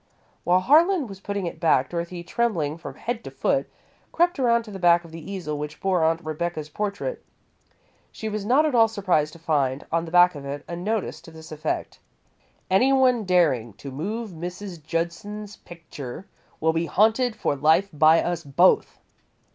While Harlan was putting it back, Dorothy, trembling from head to foot, crept around to the back of the easel which bore Aunt Rebecca's portrait. She was not at all surprised to find, on the back of it, a notice to this effect: "ANYONE DARING TO MOVE MRS. JUDSON'S PICTURE WILL BE HAUNTED FOR LIFE BY US BOTH."